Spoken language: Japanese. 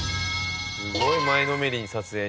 すごい前のめりに撮影に。